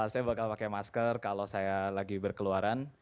saya bakal pakai masker kalau saya lagi berkeluaran